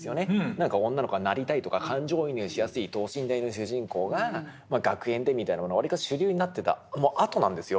何か女の子がなりたいとか感情移入しやすい等身大の主人公が学園でみたいなものがわりかし主流になってた後なんですよ。